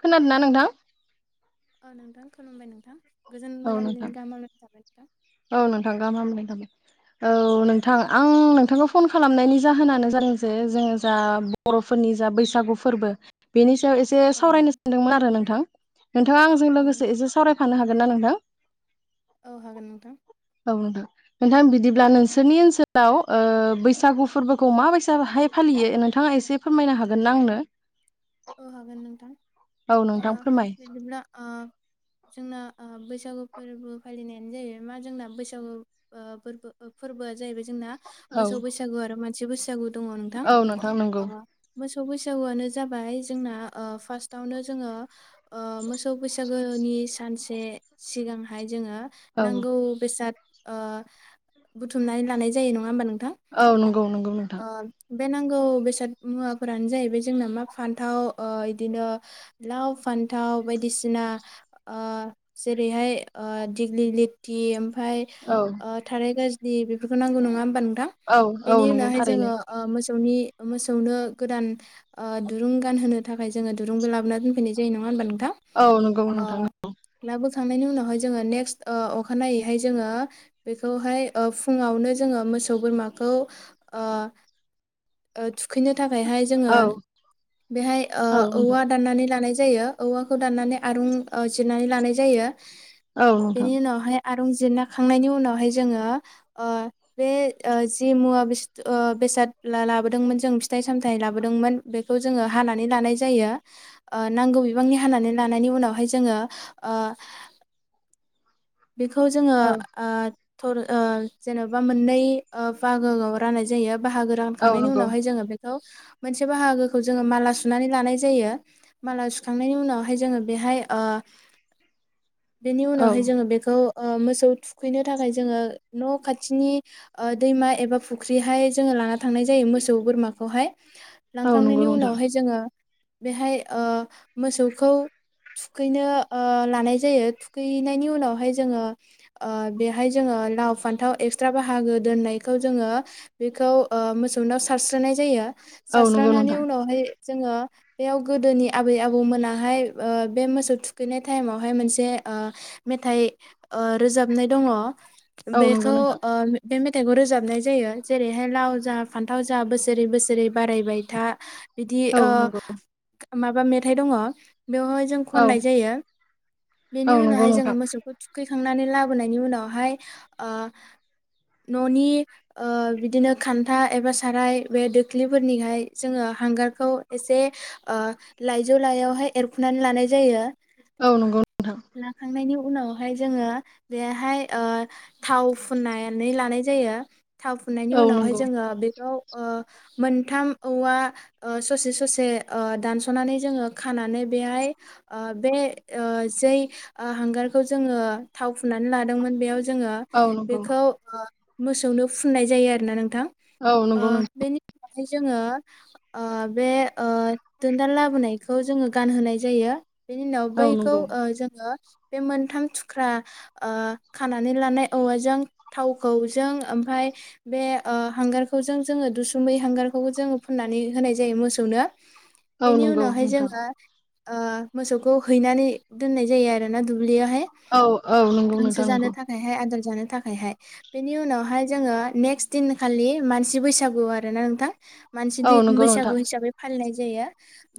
खोनादों ना हेलौ नोंथां? औ नोंथां खुलुमबाय नोंथां। गोजोन औ नोंथां मोनाबिलिनि गाहाम हामलायनाय थाबाय नोंथां। औ नोंथां गाहाम हामलायनाय औ नोंथां आं नोंथांखौ फन खालामनायनि जाहोनानो जादों जे जोङो जा बर'फोरनि जा बैसागु फोरबो बेनि सायाव एसे औ सावरायनो नोंथां सानदोंमोन आरो नोंथां। नोंथाङा आंजों औ लोगोसे नोंथां एसे सावरायफानो हाग गोनना नों थां औ हागोन नोंथां औ नोंथां, नोंथां बिदिब्ला नोंसोरनि ओनसोलाव ओ बैसागु फोरबोखौ माबायसाहाय फालियो नोंथाङा एसे फोरमायनो हागोन ना आंनो? औ हागोन नोंथां, औ ओ नोंथां फोरमाय बिदिब्ला ओ जोंना ओ बैसागु फोरबो फालिनायानो जाहैबाय मा जोंना बैसागु ओ फोरबो ओ फोरबो जाहैबाय जोंना औ मोसौ बैसागु आरो मा नसि बैसागु दङ नोंथां, औ नोंथां नंगौ अ मोसौ बैसागुआनो जाबाय जोंना ओ फासतावनो जोङो ओ मोसौ बैसागोनि सानसे सिगांहाय जोङो औ नांगौ बेसाद ओ बुथुमनानै लानाय जायो नङा होमबा नोंथां? औ नंगौ नंगौ नोंथां अ बे नांगौ बेसाद मुवाफोरानो जाहैबाय जोंना मा फान्थाव ओ इदिनो लाव फान्थाव बायदिसिना ओ जेरैहाय ओ दिग्लि लिटिम फाय औ ओ थारैनो दे बेफोरखौ नांगौ नङा होमबा नोंथां? औ-औ बेनि नंगौ उनावहाय थार जोङो ओ मोस सौनि मोसौनो गोदान ओ दुरुं गानहोनो थाखाय जोङो दुरुंबो लाबोना दोनफैनाय जायो नङा होनबा नों औ नंगौमोन नोंथां औ थांनायनि उनावहाय जोङो नेक्स्ट ओ अखानायैहाय जोङो बेखौहाय ओ फुङावनो जोङो मोसौ बोरमाखौ। ओ ओ थु थुखैनो थाखायहाय औ जोङो बेहाय ओ औ नोंथां औवा दाननानै लानाय जायो औवाखौ दान्नानै आरुं जिरनानै लानाय जायो। औ नोंथां आरंजिरना खांनायनि उनावहाय जोङो ओ बे ओ जि मुवा बेस बेसाद लाबोदोंमोन जों फिथाइ सामथाइ लाबोदोंमोन बेखौ जोङो हानानै लानाय जायो ओ नांगौ बिबांनि हानानै लानायनि उनावहाय जोङो। बेखौ जोङो औ थर ओ जेन'बा मोननै ओ बाहागोआव राननाय जायो। बाहागो औ रानखांनायनि नंगौ उनावाय जोङो बे खौ मोनसे बाहागोखौ जोङो माला सुनानै लानाय जायो। माला सुखांनायनि उनावहाय जोङो बेहाय बेनि औ उनावहाय जोङो बे मोसौ थुखैनो थाखाय जोङो न' खाथिनि ओ दैमा एबा फुख्रिहाय जोङो लाना थांनाय जायो मोसौ बोरमाखौहाय औ नंगौ लांखांनायनि नोंथां उनावहाय जोङो बेहाय ओ मोसौखौ थुखैनो ओ लानाय जायो थुखैनायनि उनावहाय जोङो ओ बेहाय जोङो लाव फान्थाव एक्सट्रा बाहागो दोननायखौ जोङो बेखौ ओ मोसौनाव सारस्रोनाय जायो। औ नंगौ सारस्रानानै नोंथां उनावहाय जोङो बेयाव गोदोनि आबै आबौमोनाहाय ओ बे मोसौ थुखैनाय टाइमावहाय मोनसे ओ मेथाइ ओ रोजाबनाय दङ। औ नंगौ बेखौ नोंथां ओ बे थाइखौ रोजाबनाय जायो जेरैहाय लाव जा फान्थाव जा बोसोरै बोसोरै बारायबाय था बिदि औ ओ नंगौ माबा मेथाइ दङ। बेवहाय जों औ खननाय जायो औ बेनि नंगौ उनावहाय जोङो नोंथां मोसौ खौ थुखैखांनानै लाबोनायनि उनावहाय ओ न'नि ओ बिदिनो खान्था एबा साराय बे दोख्लिफोरनिहाय जोङो हांगारखौ एसे ऐ लाइजौ लायावहाय एरखुनानै लानाय जायो। औ नंगौ नोंथां। उनाव ओमफाय जोङो बेहाय ओ थाव फुननानै लानाय जायो। थाव फुननायनि औ उनावहाय नंगौ जोङो बेखौ ओ मोनथाम औवा ओ ससे ससे ओ दानस'नानै जोङो खानानै बेहाय ओ बे ओ जै ओ हांगार खौजोङो थाव फुनानै लादोंमोन बेयाव जोङो औ नंगौ बेखौ ओ मोसौनो फुननाय जायो आरोना नोंथां। औ ओ नंगौ नों बेनि बाहाय जोङो ओ बे ओ दोनदाल लाबोनायखौ जोङो गानहोनाय जायो। बेनि उनाव औ बैखौ नंगौ ओ जोङो बे मोनथाम थुख्रा ओ खानानै लानाय औवाजों थावखौजों ओमफ्राय बे ओ हांगारखौजों जोङो दुसुमै हांगारखौबो जोङो फुननानै होनाय जायो मोसौनो। औ नंगौ नोंथां। आ मोसौखौ हैनानै दोननाय जायो आरो ना दु ब्लियावहाय औ औ नंगौ गांसो नोंथां जानो नंगौ थाखायहाय आदार जानो थाखायहाय बेनि उनावहाय जोङो नेक्स्ट दिनखालि मानसि बैसागु आरोना नोंथां । मानसि औ दि नंगौ नोंथां बैसागु हिसाबै फालिनाय जायो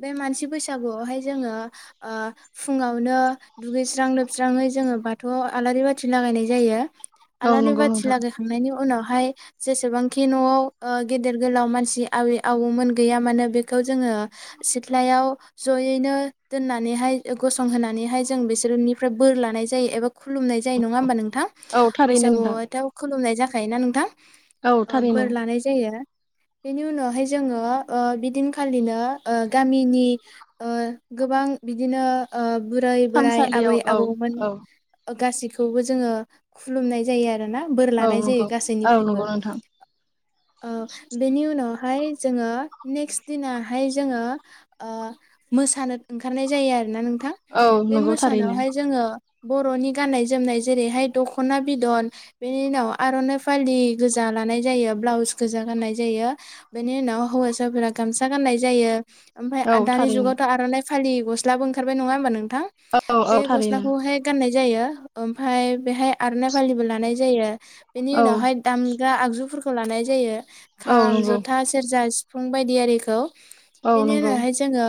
बे मानसि बैसागुआवहाय जोङो ओ फुङावनो दुगैस्रां लोबस्राङै जोङो बाथौआव आलारि बाथि लागायनाय जायो। औ आलारि नंगौ बाथि नोंथां लागायखांनायनि उनाव हाय जेसेबांखि न'आव गेदेर गोलाव मानसि आबै आबौमोन गैया मानो बेखौ जोङो सिथ्लायाव जयैनो दोननानैहाय गसंहोनानैहाय जों बिसोरनिफ्राय बोर लानाय जायो एबा खुलुमनाय जायो नङा होमबा नोंथां औ थारैनो बैसागु नोंथां एथायाव खुलुमनाय जाख थायोना नोंथां। औ अ थारैनो बोर लानाय जायो। बेनि उनावहाय जोङो ओ बिदिनखालिनो ओ गामिनि ओ गोबां ओ बिदिनो बुरा बोराइ आबै थानसालियाव औ आबौमोन औ गासिब खौबो जोङो खुलुमनाय जायो आरो ना। बोर औ लानाय जायो नंगौ औ गासैनिफ्रायबो नंगौ नोंथां ओ बेनि उनाव फाय जोङो नेक्स्ट दिनाहाय जोङो ओ मोसानो ओंखारनाय जायो आरोना नों औ बे नंगौ थारैनो मोसानावहाय जोङो बर'नि गाननाय जोमनाय जेरैहाय दख'ना बिदन बेनि उनाव आर'नाइ फालि गोजा लानाय जायो ब्लाउस गोजा गाननाय जायो बेनि उनाव हौवासाफोरा गामसा गाननाय जायो। ओमफ्राय औ आदानि थारैनो जुगावथ' आर'नाय फालि गस्लाबो ओखारबाय नङा होमबा नोंथां औ औ बे थारैनो गस्लाखौ हाय गोननाय जायो ओमफ्राय बेहाय आर'नाय फालिबो लानाय जायो बेनि औ उनावहाय दामग्रा आगजुफोरखौ खौ लानाय जायो औ खाम नंगौ जथा सेरजा सिफ फुं बायदियारिखौ औ बेनि नंगौ उनावहाय जोङो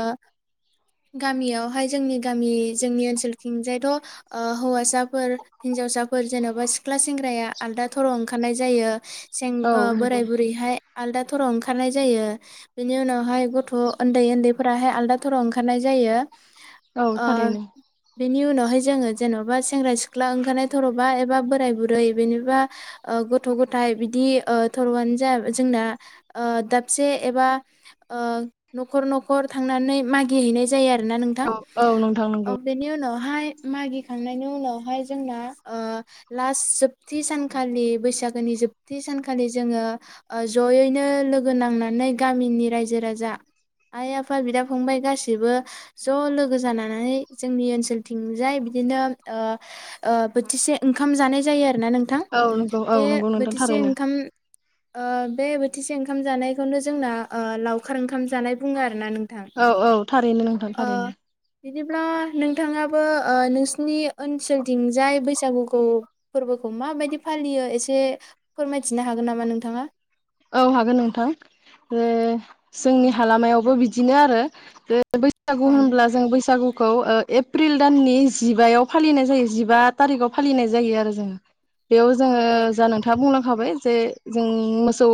गामियावहाय जोंनि गामि जोंनि ओनसोलथिंजायथ' हौवासाफोर हिन्जावसाफोर जेन'बा सिख्ला सेंग्राया आलदा थराव ओंखारनाय जायो सें औ ओ नंगौ बोराय बुरैहाय आलदा थराव ओंखारनाय जायो बेनि उनावहाय गथ' उन्दै उन्दैफोराहाय आलदा थराव ओंखारनाय जायो औ ओ थारैनो बेनि उनावहाय जोङो जेन'बा सेंग्रा सिख्ला ओंखारनाय थर'बा एबा बोराय बुरै बेनिबा ओ गथ' गथाय बिदि ओ थर'आनो जा जोंना ओ दाबसे एबा ओ न'खर न'खर थांनानै मागिहैनाय जायो आरोना नोंथां औ औ नोंथां नंगौ ओ बेनि उनावहाय मागिखांनायनि उनावहाय जोंना ओ लास्ट जोबथि सानखालि बैसागोनि जोबथि सानखालि जोङो जयैनो लोगो नांनानै गामिनि रायजो राजा आइ आफा बिदा फंबाय गासैबो ज' लोगो जानानै जोंनि ओनसोलथिंजाय बिदिनो ओ ओ बोथिसे ओंखाम जानाय जायो ना नोंथां औ नंगौ औ बे नंगौ नोंथां बोथिसे थारैनो ओंखाम ओ बे बोथिसे ओंखाम जानायखौनो जोंना लावखार ओंखाम जानाय बुङो आरो औ औ थारैनो नोंथां थारैनो बिदि अब्ला नोंथाङाबो ओ नोंसिनि ओनसोलथिंजाय बैसागुखौ फोरबोखौ माबायदि फालियो एसे फोरमायथिनो हागोन नामा नोंथाङा औ हागोन नोंथां ज अ जोंनि दे हालामायावबो बिदिनो आरो बैसागु औ होनब्ला नोंथां जों बैसागु खौ ओ एप्रिल दाननि जिबायाव फालिनाय जायो जिबा थारिखाव फालिनाय जायो आरो जोङो बेयाव औ औ जोङो जा नोंथाङा बुंलांखाबाय जे जों मोसौ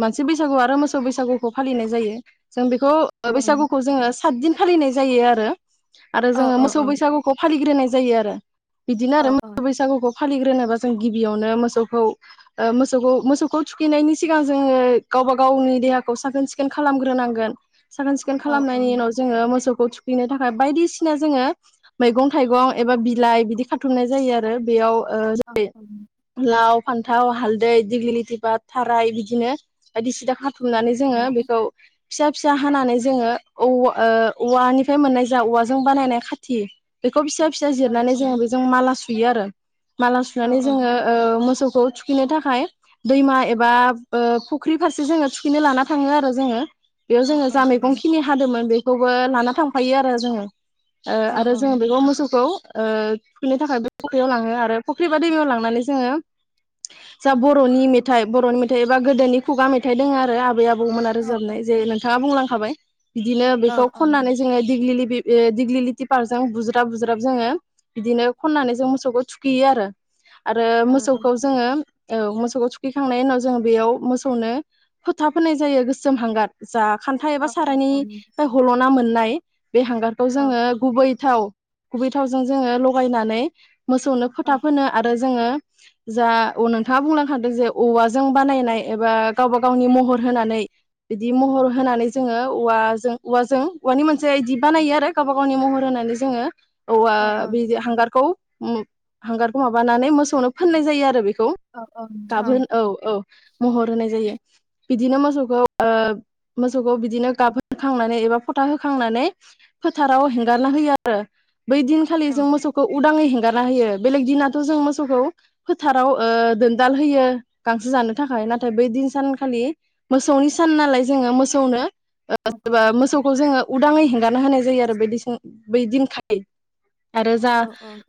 मोनसि बैसागु आरो मोसौ बैसागुखौ फालिनाय जायो जों बेखौ औ ओ औ नोंथां बैसागुखौ जोङो साद दिन फालिनाय जायो आरो आरो औ जोङो औ मोसौ औ बैसागुखौ फालिग्रोनाय जायो आरो बिदिनो औ आरो मोसौ बैसागुखौ फालिग्रोनोबा जों गिबियावनो मोसौखौ ओ मोसौखौ मोसौखौ थुखैनायनि सिगां जोङो गावबा गावनि देहाखौ साखोन सिखोन खालामग्रोनांगोन। साखोन सिखोन औ औ खालामनायनि उनाव नोंथां जोङो मोसौखौ थु खैनो थाखाय बायदिसिना जोङो मैगं थाइगं एबा बिलाइ बिदि खाथुमनाय जायो आरो बेयाव ओ औ जेरै लाव फान्थाव हालदै दिग्लिथि बा था ओमफ्राय बिदिनो बायदिसिना औ खाथुमनानै औ जोङो नोंथां बेखौ फिसा फिसा हानानै जोङो औ ओ औवानिफ्राय मोननाय जा औवाजों बानायनाय खाथि बेखौ खौ फिसा फिसा औ जिरनानै औ जोङो बेजों माला सु यो आरो। माला सुनानै औ जोङो नोंथां ओ मोसौखौ थुखिनो थाखाय दैमा एबा बा ओ फुख्रि फारसे जोङो थुखैनो लाना थाङो आरो जोङो। बेयाव जोङो औ जा मैगं खिनि हादोंमोन बे खौबो लाना थांफायो आरो जोङो। ओ औ आरो औ जोङो नोंथां औ बेखौ मोसौखौ। ओ खुनो थाखाय बे फख्रियाव लाङो आरो फुख्रि बा दैमिायाव लांनानै जोङो जा बर'नि मेथाइ बर'नि मेथाइ एबा गोदोनि खुगा मेथाइ दङ आरो आबै आबौ बौमोन आरो रोजाबनाय जे नोंथाङा बुंलांखाबाय। बिदिनो औ बेखौ औ खननानै जोङो दिग्लि बे दिग्लिथि पार्क जों बुज्राब बुज्राब जोङो बिदिनो खननानै जों मोसौखौ थुखैयो आरो। आरो मोसौखौ जोङो औ मोसौखौ थु खैखांनायनि उनाव जोङो बेयाव मोसौनो फोथा फोनाय जायो गोसोम हांगार जा खान्था एबा सारायनिफाय हल ना मोननाय। बे हांगारखौ जोङो गुबै थाव गुबै थावजों जोङो लगायनानै मोसौनो फोथा फोनो आरो जोङो जा नोंथाङा बुंलांखादों जे औवाजों बानायनाय एबा गावबा गावनि महर होनानै बिदि महर होनानै जोङो औवाजों औवाजों औवानि मोनसे इदि बानायो आरो गावबा गावनि महर होनानै जोङो औवा बि हांगारखौ ओम हांगारखौ माबानानै मोसौनो फोननाय जायो आरो बेखौ औ औ थां। गाबहोन औ औ महर होनाय। जायो बिदिनो मोसौखौ ओ मोसौखौ बिदिनो गाबहखांनानै एबा फथा होखांनानै फोथाराव हेंगारना होयो आरो। बै दिनखालि जों मोसौखौ उदाङै हेंगार होयो बेलेग दिनाथ' जों मोसौखौ फोथाराव ओ दोनदाल होयो। गांसो जानो थाखाय नाथाय बै दिन सानखालि मोसौनि सान नालाय जोङो मोसौनो ओ सोरबा मोसौखौ जोङो उदाङै हों गाना होनाय जायो आरो बैदिसं बैदिनखालि आरो जा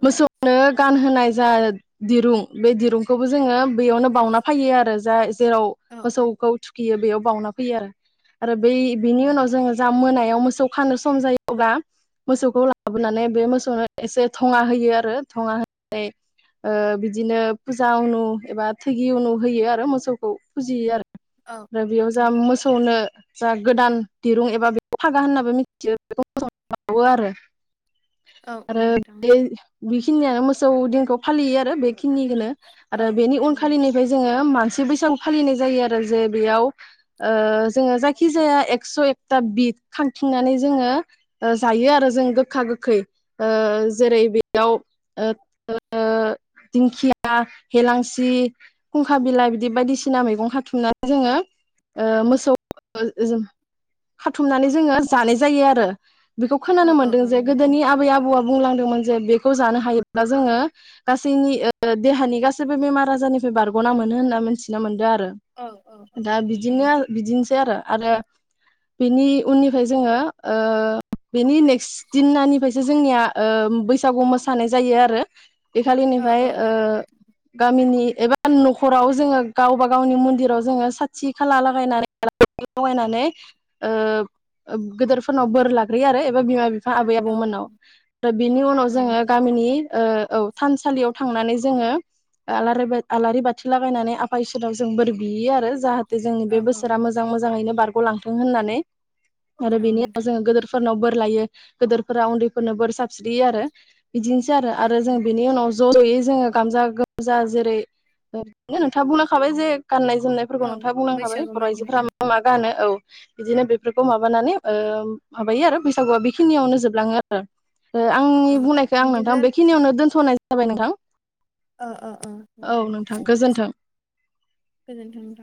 मोसौनो गानहोनाय जा दिरुं बे दिरुंखौबो जोङो बैयावनो बावउना फैयो आरो जा जेराव मोसौखौ थुखियो बेयाव बावउना फैयो आरो आरो बै बिनि उनाव जोङो जा मोनायाव मोसौ खानो सम जायो अब्ला मोसौखौ लाबोनानै बे मोसौनो एसे थङा होयो आरो थङा होनानै ओ बिदिनो फुजा उनु एबा थोगि उनु होयो आरो मोसौखौ फुजियो आरो। ओमफ्राय औ बेयाव औ जा औ मोसौनो जा गोदान दिरुं एबा बेखौ फागा होनाबो मिथियो बेखौ मोजां [unintelligible] आरो औ औ आरो नोंथां बे बेखिनियानो मोसौ दिनखौ फालियो आरो बेखिनि औ आरो औ बेनि औ उन नोंथां जोङो मानसि बैसागु फालिनाय जायो आरो जे बेयाव ओ जोङो जायखि जाया एकस' एकथा बिद खांथिंनानै जोङो जायो आरो जों गोखा गोखै जेरै बेयाव ओ दिंखिया हेलांसि फुंखा बिलाइ बिदि बायदिसिना मैगं खाथुमनानै जोङो ओ मोसौ खाथुमनानै जोङो जानाय जायो आरो। बेखौ औ खोनानो औ मोनदों औ जे नोंथां गोदोनि आबै आबौआ बुंलांदोंमोन। जे बेखौ जानो हायोब्ला जोङो गासिनि ओ देहानि गासिबो बेमार आजारनि फ्राय बारग'ना मोनो होनना मिथिना मोनदों आरो। औ औ औ दा औ नोंथां बिदिनो आरो बिदिनोसै आरो आरो बिनि उननिफ्राय जोङो ओ बिनि ने क्स दिना निफ्राय जे जोंनिया ओ बैसागु मोसानाय जायो आरो। औ बेखालिनिफ्राय औ औ ओ गामिनि एबा न'खराव जोङो गावबा गावनि मन्दिराव जोङो साथि खाला लागायनानै [unintelligible] लगायनानै गोदोरफोरनाव बोर लाग्रोयो आरो एबा बिमा बिफ फा आबै औ आबौमोनाव दा बिनि उनाव जोङो औ गामिनि ओ औ थानसालियाव थांनानै जोङो आलारि बा आलारि बाथि लागायनानै आफा इसोराव जों बोर बियो आरो जाहा थे जोंनि बे औ बोसोरा मोजां नोंथां मोजाङैनो बारग खौ लांथों होननानै आरो औ बिनि उनाव नोंथां जोङो गोदोर फोरनाव बोर लायो गेदोरफोरा उन्दैफोरनो बोर सारस्रियो आरो। बिदिनोसै आरो औ आरो औ जों नोंथां बिनि उनाव ज' ज'यै जोङो गामजा गोमजा जेरै ओरैनो नोंथाङा बुंलांखाबाय जे गाननाय जोमनायफोरखौ औ नोंथाङा बुंलां खाबाय बैसागु बर' आइजोफोरा मागिनाया मा मा गानो। औ बिदिनो बेफोरखौ माबानानै ओ माबायो आरो बैसागुआ बेखिनियावनो जोबलाङो आरो। ओ आंनि औ बुंनायखौ आं नोंथां बिदिब्ला बेखिनियावनो दोनथ'नाय जा जाबाय नोथां। अ अ अ। औ नोंथां गोजोन्थों। गोजोनथों नोंथां